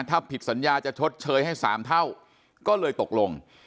ถ้าผิดสัญญาจะชดเชยให้๓เท่าก็เลยตกลง